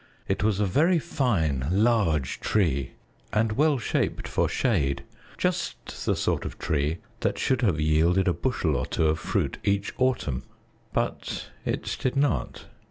It was a very fine large tree, and well shaped for shade, just the sort of tree that should have yielded a bushel or two of fruit each autumn; but it did not.